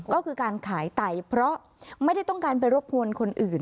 ก็คือการขายไตเพราะไม่ได้ต้องการไปรบกวนคนอื่น